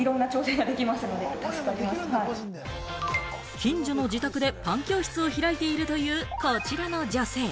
近所の自宅でパン教室を開いているというこちらの女性。